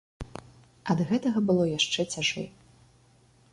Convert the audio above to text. Ад гэтага было яшчэ цяжэй.